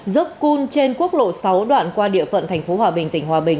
dốc cun trên quốc lộ sáu đoạn qua địa phận thành phố hòa bình tỉnh hòa bình